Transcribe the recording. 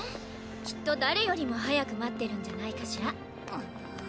きっと誰よりも早く待ってるんじゃないかしら。